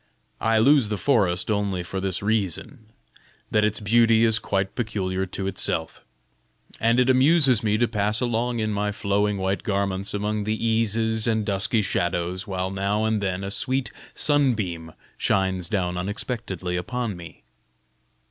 I love the forest only for this reason, that its beauty is quite peculiar to itself, and it amuses me to pass along in my flowing white garments among the eases and dusky shadows, while now and then a sweet sunbeam shines down unexpectedly upon me."